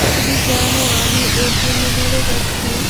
তুমি জানো, আমি ওর জন্য মরে যাচ্ছি।